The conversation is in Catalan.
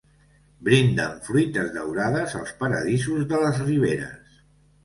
Brinden fruites daurades els paradisos de les riberes.